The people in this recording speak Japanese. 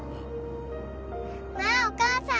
わあお母さん